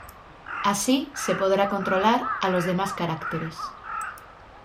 Así se podrá controlar a los demás caracteres.